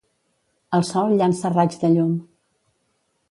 El sol llança raigs de llum.